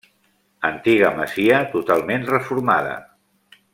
Antiga masia, totalment reformada.